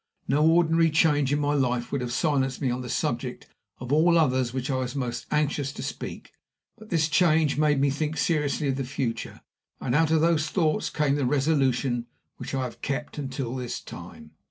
No ordinary change in my life would have silenced me on the subject of all others of which I was most anxious to speak; but this change made me think seriously of the future; and out of those thoughts came the resolution which I have kept until this time.